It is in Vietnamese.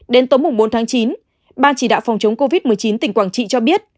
đến tối bốn tháng chín ban chỉ đạo phòng chống covid một mươi chín tỉnh quảng trị cho biết